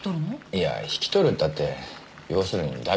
いや引き取るったって要するに荼毘に付して。